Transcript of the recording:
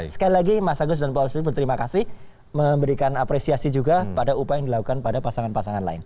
sekali lagi mas agus dan pak asli berterima kasih memberikan apresiasi juga pada upaya yang dilakukan pada pasangan pasangan lain